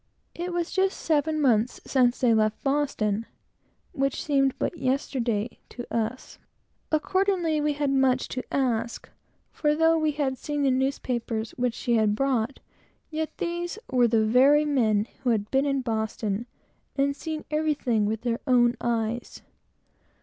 It was just seven months since they left Boston, which seemed but yesterday to us. Accordingly, we had much to ask, for though we had seen the newspapers that she brought, yet these were the very men who had been in Boston and seen everything with their own eyes.